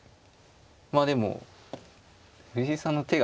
まあでも藤井さんの手が速いんで。